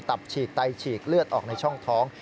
ตับฉีกไตฉีกเลือดออกในช่องท้อง